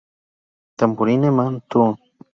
Tambourine Man", "Turn!